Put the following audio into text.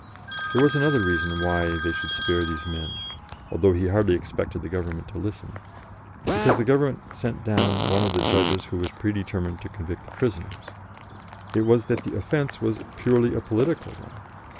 There was another reason why they should spare these men, although he hardly expected the Government to listen, because the Government sent down one of the judges who was predetermined to convict the prisoners; it was that the offence was purely a political one.